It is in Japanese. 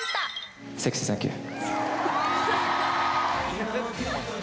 セクシー、サンキュー！